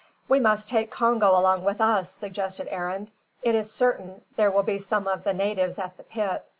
"We must take Congo along with us," suggested Arend. "It is certain there will be some of the natives at the pit.